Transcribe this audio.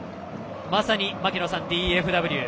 まさに槙野さん、ＤＦＷ。